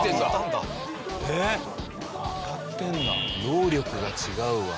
能力が違うわ。